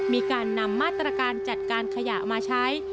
มีการนำมาตรการจัดการขยะมาใช้